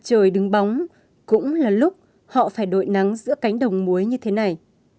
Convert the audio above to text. trời đứng bóng cũng là lúc họ phải đội nắng giữa cánh đồng muối như thế này